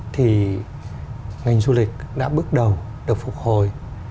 thì ngành du lịch đã bước đầu được phục hồi